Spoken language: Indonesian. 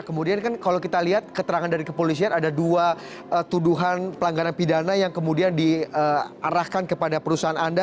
kemudian kan kalau kita lihat keterangan dari kepolisian ada dua tuduhan pelanggaran pidana yang kemudian diarahkan kepada perusahaan anda